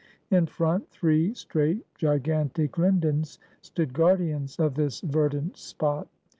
In front, three straight gigantic lindens stood guardians of this verdant spot.